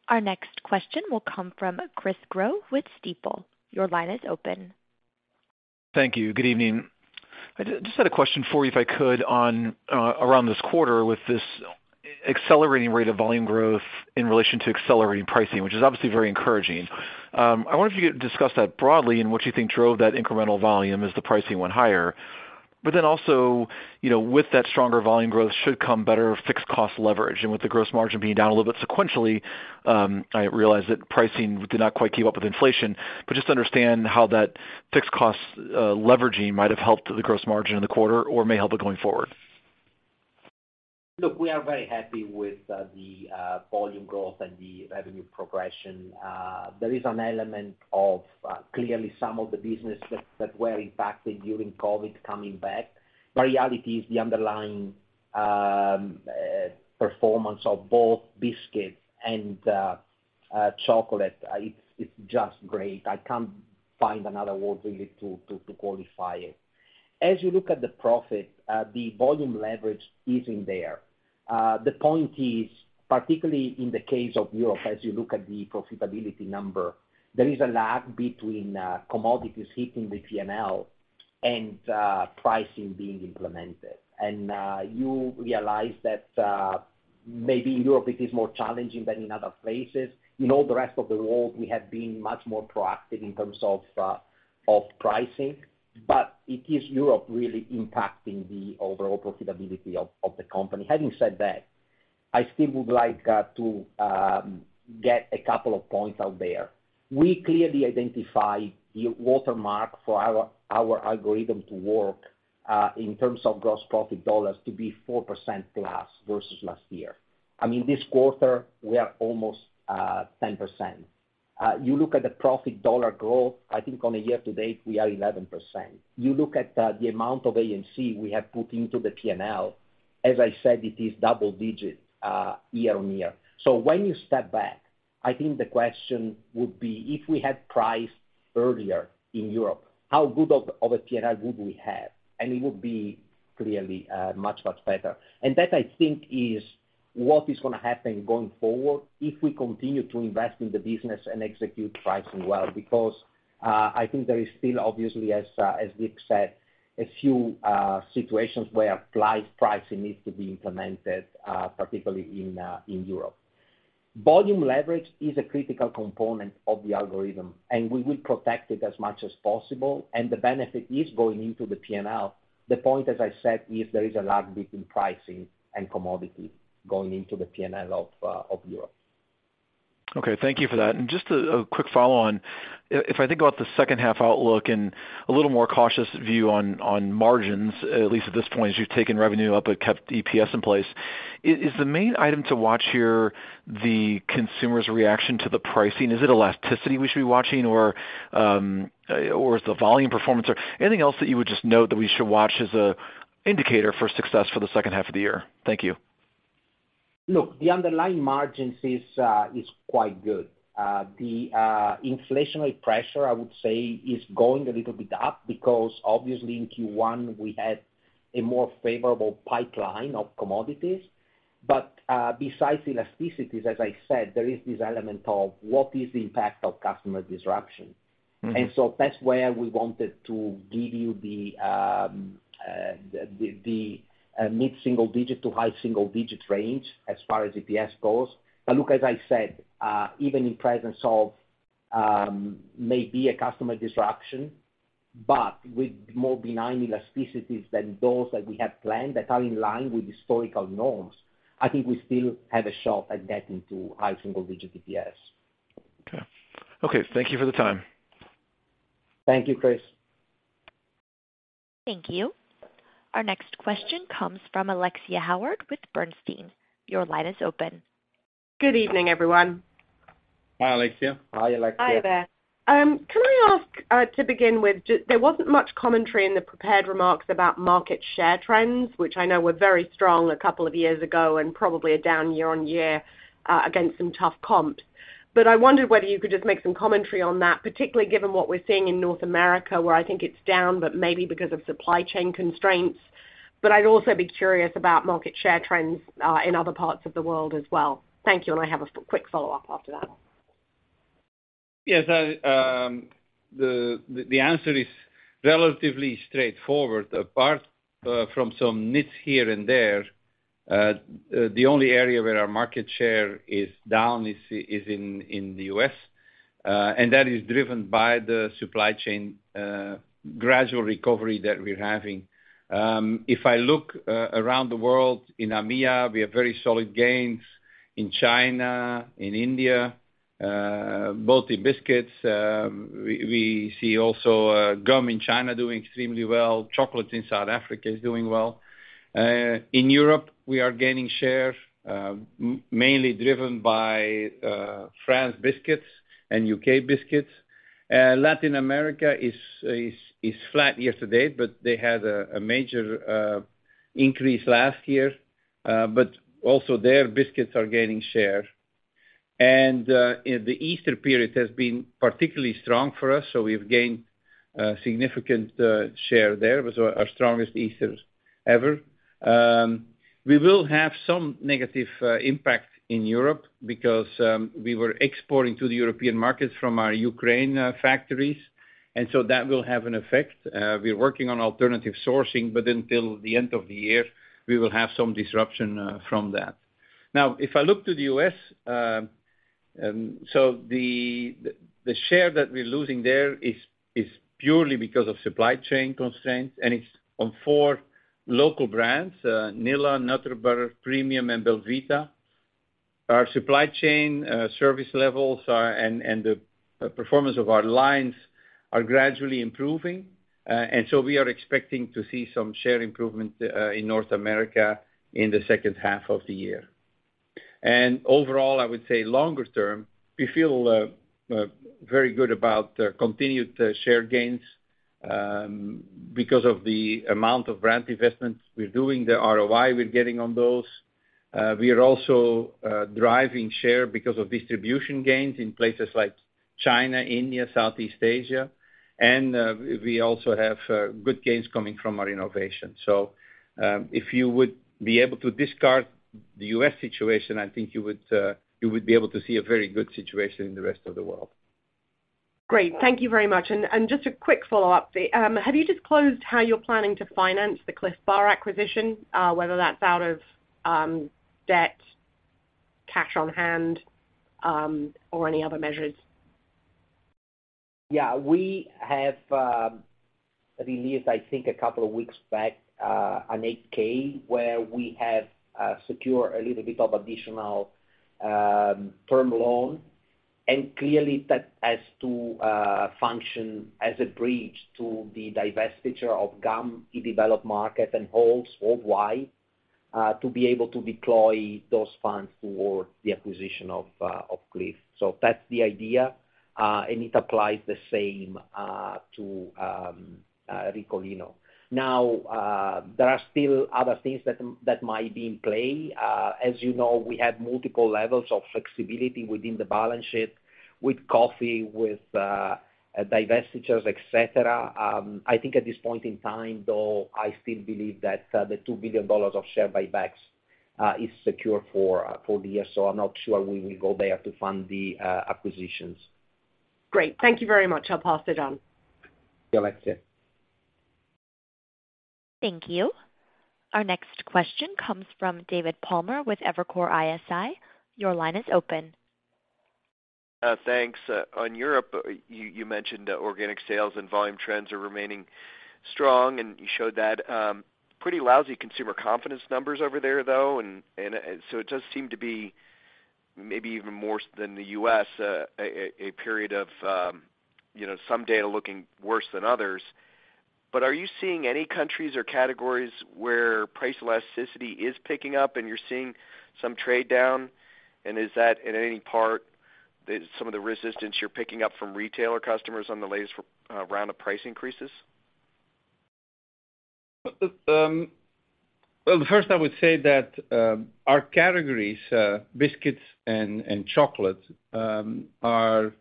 Our next question will come from Chris Growe with Stifel. Your line is open.
Thank you. Good evening. I just had a question for you, if I could, on around this quarter with this accelerating rate of volume growth in relation to accelerating pricing, which is obviously very encouraging. I wonder if you could discuss that broadly and what you think drove that incremental volume as the pricing went higher. Also, you know, with that stronger volume growth should come better fixed cost leverage. With the gross margin being down a little bit sequentially, I realize that pricing did not quite keep up with inflation, but just understand how that fixed costs leveraging might have helped the gross margin in the quarter or may help it going forward.
Look, we are very happy with the volume growth and the revenue progression. There is an element of clearly some of the businesses that were impacted during COVID coming back. Reality is the underlying performance of both biscuits and chocolate, it's just great. I can't find another word really to qualify it. As you look at the profit, the volume leverage is in there. The point is, particularly in the case of Europe, as you look at the profitability number, there is a lag between commodities hitting the P&L and pricing being implemented. You realize that maybe in Europe it is more challenging than in other places. In all the rest of the world, we have been much more proactive in terms of pricing, but it is Europe really impacting the overall profitability of the company. Having said that, I still would like to get a couple of points out there. We clearly identify your watermark for our algorithm to work in terms of gross profit dollars to be 4% plus versus last year. I mean, this quarter, we are almost 10%. You look at the profit dollar growth, I think on a year-to-date, we are 11%. You look at the amount of A&C we have put into the P&L, as I said, it is double digits year-over-year. When you step back, I think the question would be if we had priced earlier in Europe, how good of a P&L would we have? It would be clearly much better. That I think is what is gonna happen going forward if we continue to invest in the business and execute pricing well. Because I think there is still obviously, as Vic said, a few situations where pricing needs to be implemented, particularly in Europe. Volume leverage is a critical component of the algorithm, and we will protect it as much as possible, and the benefit is going into the P&L. The point, as I said, is there is a lag between pricing and commodity going into the P&L of Europe.
Okay. Thank you for that. Just a quick follow on. If I think about the second half outlook and a little more cautious view on margins, at least at this point, as you've taken revenue up but kept EPS in place, is the main item to watch here the consumer's reaction to the pricing? Is it elasticity we should be watching or is the volume performance or anything else that you would just note that we should watch as an indicator for success for the second half of the year? Thank you.
Look, the underlying margins is quite good. The inflationary pressure, I would say, is going a little bit up because obviously in Q1 we had a more favorable pipeline of commodities. Besides elasticities, as I said, there is this element of what is the impact of customer disruption.
Mm-hmm.
That's where we wanted to give you the mid-single-digit to high single-digit range as far as EPS goes. Look, as I said, even in presence of maybe a customer disruption, but with more benign elasticities than those that we had planned that are in line with historical norms, I think we still have a shot at getting to high single-digit EPS.
Okay. Thank you for the time.
Thank you, Chris.
Thank you. Our next question comes from Alexia Howard with Bernstein. Your line is open.
Good evening, everyone.
Hi, Alexia.
Hi, Alexia.
Hi there. Can I ask, to begin with there wasn't much commentary in the prepared remarks about market share trends, which I know were very strong a couple of years ago and probably are down year-on-year, against some tough comps. I wondered whether you could just make some commentary on that, particularly given what we're seeing in North America, where I think it's down, but maybe because of supply chain constraints. I'd also be curious about market share trends, in other parts of the world as well. Thank you. I have a quick follow-up after that.
Yes, the answer is relatively straightforward. Apart from some nits here and there, the only area where our market share is down is in the U.S., and that is driven by the supply chain gradual recovery that we're having. If I look around the world, in EMEA, we have very solid gains. In China, in India, both in biscuits, we see also gum in China doing extremely well. Chocolate in South Africa is doing well. In Europe, we are gaining share, mainly driven by French biscuits and U.K. biscuits. Latin America is flat year-to-date, but they had a major increase last year, but also there, biscuits are gaining share. The Easter period has been particularly strong for us, so we've gained significant share there. It was our strongest Easter ever. We will have some negative impact in Europe because we were exporting to the European markets from our Ukraine factories, and that will have an effect. We're working on alternative sourcing, but until the end of the year, we will have some disruption from that. Now, if I look to the U.S., the share that we're losing there is purely because of supply chain constraints, and it's on four local brands, Nilla, Nutter Butter, Premium, and belVita. Our supply chain service levels are and the performance of our lines are gradually improving. We are expecting to see some share improvement in North America in the second half of the year. Overall, I would say longer term, we feel very good about the continued share gains because of the amount of brand investments we're doing, the ROI we're getting on those. We are also driving share because of distribution gains in places like China, India, Southeast Asia, and we also have good gains coming from our innovation. If you would be able to discard the U.S. situation, I think you would be able to see a very good situation in the rest of the world.
Great. Thank you very much. Just a quick follow-up. Have you disclosed how you're planning to finance the Clif Bar acquisition, whether that's out of debt, cash on hand, or any other measures?
Yeah. We have released, I think a couple of weeks back, an 8-K where we have secured a little bit of additional term loan, and clearly that has to function as a bridge to the divestiture of gum in developed markets and Halls worldwide, to be able to deploy those funds towards the acquisition of Clif. That's the idea, and it applies the same to Ricolino. Now, there are still other things that might be in play. As you know, we have multiple levels of flexibility within the balance sheet with coffee, with divestitures, et cetera. I think at this point in time though, I still believe that $2 billion of share buybacks is secure for the year, so I'm not sure we will go there to fund the acquisitions.
Great. Thank you very much. I'll pass it on.
Alexia.
Thank you. Our next question comes from David Palmer with Evercore ISI. Your line is open.
Thanks. On Europe, you mentioned organic sales and volume trends are remaining strong, and you showed that pretty lousy consumer confidence numbers over there, though, and so it does seem to be maybe even more so than the U.S., a period of you know, some data looking worse than others. Are you seeing any countries or categories where price elasticity is picking up and you're seeing some trade-down? Is that in any part some of the resistance you're picking up from retailer customers on the latest round of price increases?
Well, first I would say that our categories, biscuits and chocolate, are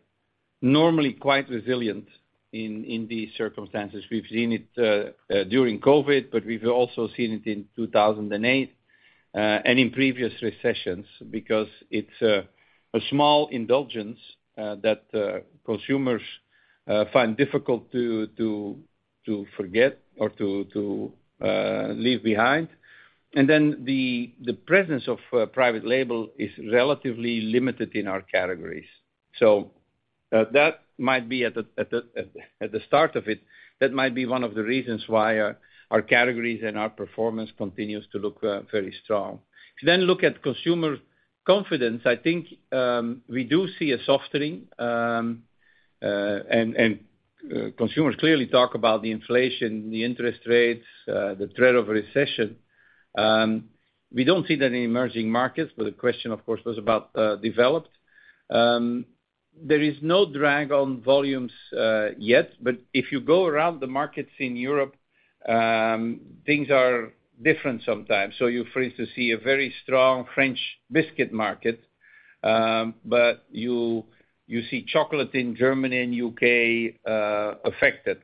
normally quite resilient in these circumstances. We've seen it during COVID, but we've also seen it in 2008 and in previous recessions because it's a small indulgence that consumers find difficult to forget or to leave behind. The presence of private label is relatively limited in our categories. That might be at the start of it, that might be one of the reasons why our categories and our performance continues to look very strong. If you then look at consumer confidence, I think, we do see a softening, and consumers clearly talk about the inflation, the interest rates, the threat of recession. We don't see that in emerging markets, but the question of course was about developed. There is no drag on volumes yet, but if you go around the markets in Europe, things are different sometimes. You for instance see a very strong French biscuit market, but you see chocolate in Germany and U.K. affected.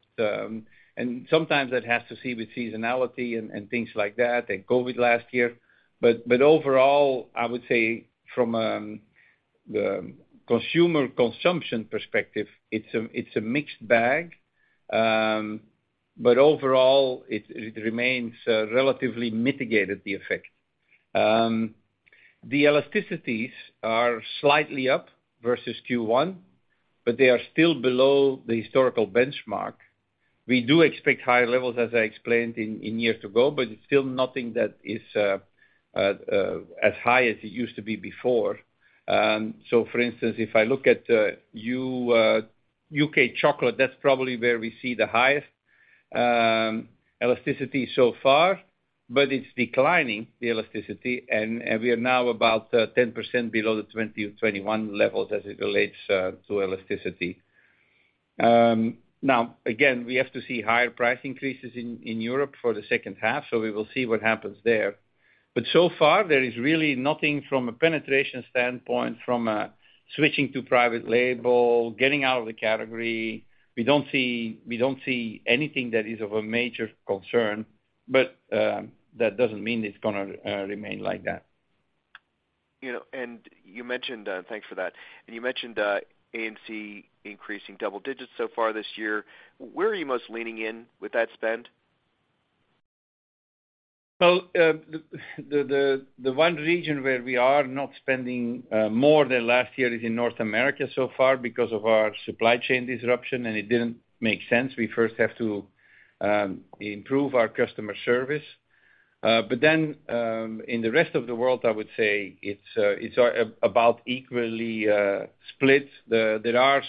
And sometimes that has to do with seasonality and things like that, and COVID last year. Overall, I would say from the consumer consumption perspective, it's a mixed bag. Overall, it remains relatively mitigated, the effect. The elasticities are slightly up versus Q1, but they are still below the historical benchmark. We do expect higher levels, as I explained in years to go, but it's still nothing that is as high as it used to be before. For instance, if I look at U.K. chocolate, that's probably where we see the highest elasticity so far, but it's declining the elasticity and we are now about 10% below the 2020 to 2021 levels as it relates to elasticity. Now, again, we have to see higher price increases in Europe for the second half, so we will see what happens there. So far, there is really nothing from a penetration standpoint from switching to private label, getting out of the category. We don't see anything that is of a major concern, but that doesn't mean it's gonna remain like that.
You know, you mentioned, thanks for that. You mentioned A&C increasing double digits so far this year. Where are you most leaning in with that spend?
The one region where we are not spending more than last year is in North America so far because of our supply chain disruption and it didn't make sense. We first have to improve our customer service. In the rest of the world, I would say it's about equally split. There are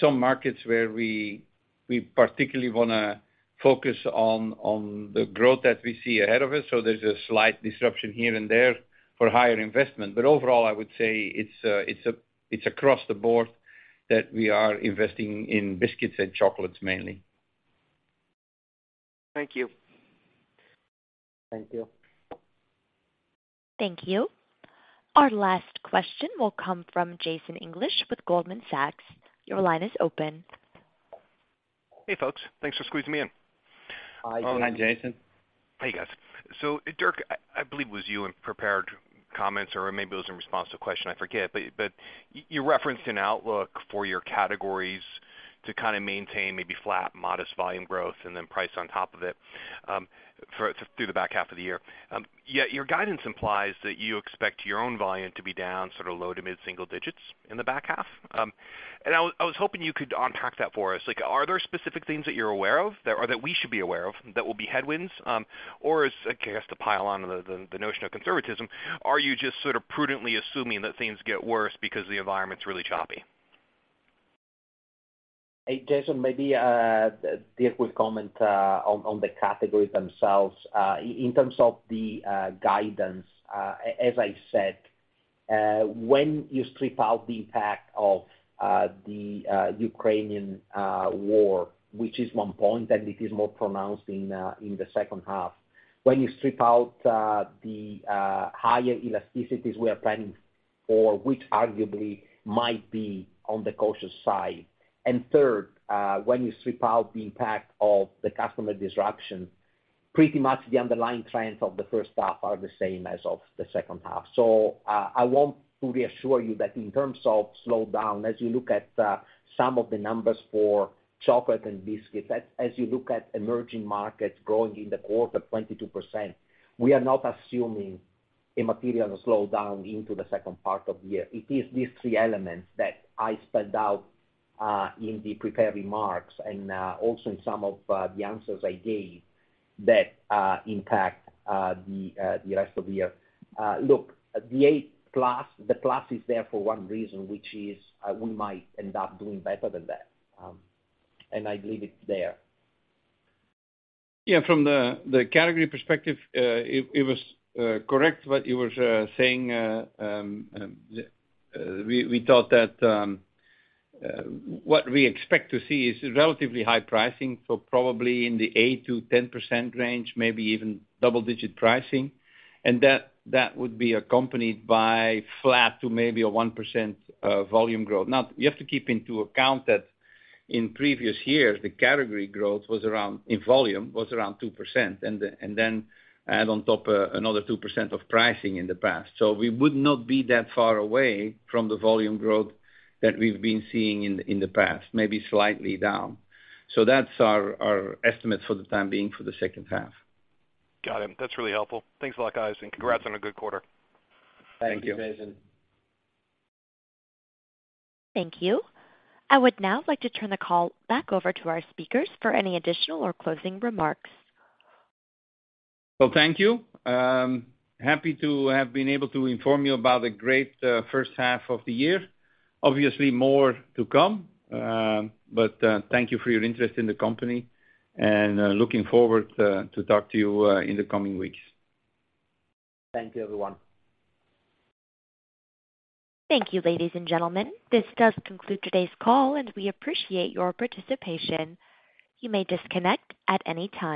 some markets where we particularly wanna focus on the growth that we see ahead of us, so there's a slight disruption here and there for higher investment. Overall, I would say it's across the board that we are investing in biscuits and chocolates mainly.
Thank you.
Thank you.
Thank you. Our last question will come from Jason English with Goldman Sachs. Your line is open.
Hey, folks. Thanks for squeezing me in.
Hi, Jason.
Hi, Jason.
Hey, guys. Dirk, I believe it was you in prepared comments or maybe it was in response to a question, I forget, but you referenced an outlook for your categories to kind of maintain maybe flat, modest volume growth and then price on top of it, through the back half of the year. Yet your guidance implies that you expect your own volume to be down sort of low- to mid-single-digit in the back half. I was hoping you could unpack that for us. Like, are there specific things that you're aware of or that we should be aware of that will be headwinds? Or is, I guess, to pile on the notion of conservatism, are you just sort of prudently assuming that things get worse because the environment's really choppy?
Hey, Jason, maybe Dirk will comment on the categories themselves. In terms of the guidance, as I said, when you strip out the impact of the Ukrainian war, which is one point, and it is more pronounced in the second half, when you strip out the higher elasticities we are planning for, which arguably might be on the cautious side. Third, when you strip out the impact of the customer disruption, pretty much the underlying trends of the first half are the same as of the second half. I want to reassure you that in terms of slowdown, as you look at some of the numbers for chocolate and biscuits, as you look at emerging markets growing in the quarter 22%, we are not assuming a material slowdown into the second part of the year. It is these three elements that I spelled out in the prepared remarks and also in some of the answers I gave that impact the rest of the year. Look, the 8+, the plus is there for one reason, which is we might end up doing better than that. I leave it there.
Yeah, from the category perspective, it was correct what you was saying. We thought that what we expect to see is relatively high pricing, so probably in the 8%-10% range, maybe even double-digit pricing. That would be accompanied by flat to maybe a 1% volume growth. Now, you have to take into account that in previous years, the category growth in volume was around 2%, and then add on top another 2% of pricing in the past. We would not be that far away from the volume growth that we've been seeing in the past, maybe slightly down. That's our estimate for the time being for the second half.
Got it. That's really helpful. Thanks a lot, guys, and congrats on a good quarter.
Thank you.
Thank you.
Thank you. I would now like to turn the call back over to our speakers for any additional or closing remarks.
Well, thank you. Happy to have been able to inform you about the great first half of the year. Obviously, more to come. Thank you for your interest in the company, and looking forward to talk to you in the coming weeks.
Thank you, everyone.
Thank you, ladies and gentlemen. This does conclude today's call, and we appreciate your participation. You may disconnect at any time.